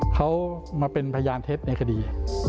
เขามาเป็นพยานเท็จในคดี